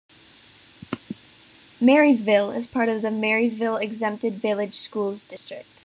Marysville is part of the Marysville Exempted Village Schools District.